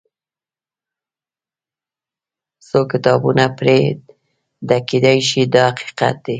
څو کتابونه پرې ډکېدای شي دا حقیقت دی.